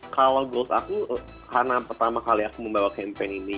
kalau goals aku karena pertama kali aku membawa campaign ini